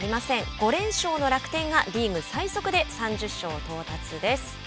５連勝の楽天がリーグ最速で３０勝到達です。